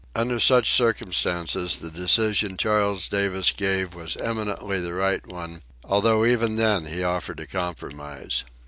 Under such circumstances the decision Charles Davis gave was eminently the right one, although even then he offered a compromise.